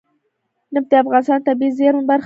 نفت د افغانستان د طبیعي زیرمو برخه ده.